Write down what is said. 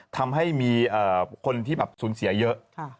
ทำให้มีคนที่แบบสูญเสียเยอะ